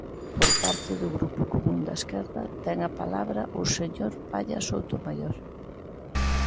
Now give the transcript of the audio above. Por parte do Grupo Común da Esquerda ten a palabra o señor Palla Soutomaior.